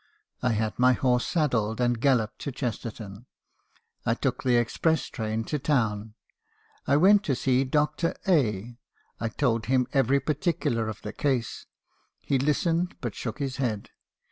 I had my horse saddled, and galloped to Chesterton. I took the express train to town. I went to Dr. —. I told him every particular of the case. He listened; but shook his head.